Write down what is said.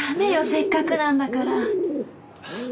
せっかくなんだから。